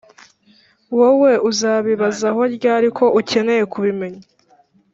wowe uzabibazaho ryari ko ukeneye kubimenya